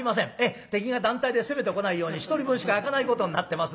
敵が団体で攻めてこないように１人分しか開かないことになってますんでね。